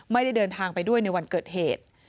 ไม่ได้เดินทางไปด้วยในวันเกิดเหตุ